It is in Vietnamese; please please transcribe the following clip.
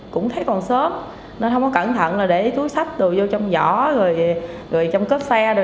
cũng thấy còn sớm nên không có cẩn thận là để túi sách đồ vô trong giỏ